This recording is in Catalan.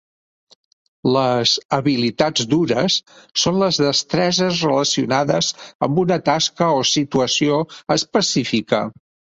Les "habilitats dures" són les destreses relacionades amb una tasca o situació específica.